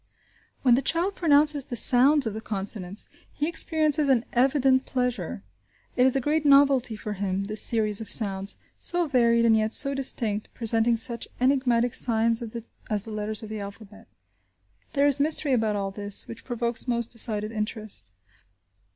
When the child pronounces the sounds of the consonants, he experiences an evident pleasure. It is a great novelty for him, this series of sounds, so varied and yet so distinct, presenting such enigmatic signs as the letters of the alphabet. There is mystery about all this, which provokes most decided interest.